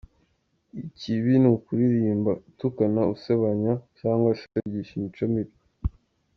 Ikibi ni ukuririmba utukana, usebanya cyangwa se wigisha imico mibi.